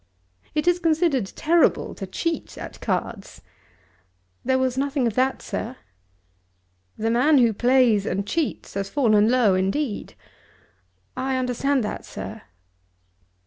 It is considered terrible to cheat at cards." "There was nothing of that, sir." "The man who plays and cheats has fallen low indeed." "I understand that, sir."